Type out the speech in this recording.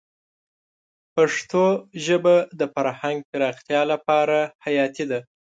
پښتو ژبه د فرهنګ پراختیا لپاره حیاتي ده.